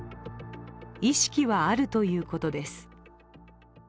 意識はあるということです。